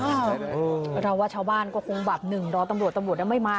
เราว่าชาวบ้านก็คงแบบหนึ่งรอตำรวจตำรวจไม่มา